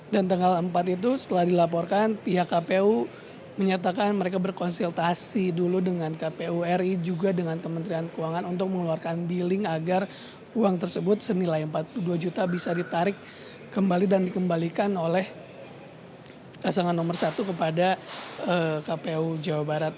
dan tanggal empat itu setelah dilaporkan pihak kpu menyatakan mereka berkonsultasi dulu dengan kpu ri juga dengan kementerian keuangan untuk mengeluarkan billing agar uang tersebut senilai empat puluh dua juta bisa ditarik kembali dan dikembalikan oleh kasangan nomor satu kepada kpu jawa barat